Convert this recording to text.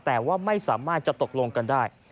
แต่ว่าไม่สามารถจะตกลงกันได้